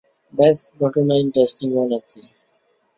ব্যস ঘটনা ইন্টারেস্টিং বানাচ্ছি।